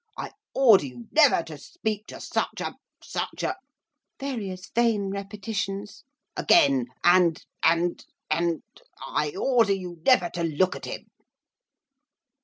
I order you never to speak to such a such a' various vain repetitions 'again, and and and I order you never to look at him!